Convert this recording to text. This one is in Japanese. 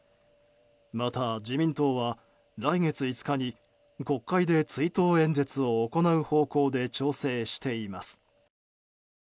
また、自民党は来月５日に国会で追悼演説を行う方向で調整しています。